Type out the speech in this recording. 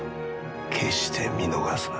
決して見逃すな。